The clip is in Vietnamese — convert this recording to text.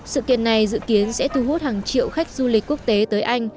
sự kiện này dự kiến sẽ thu hút hàng triệu khách du lịch quốc tế tới anh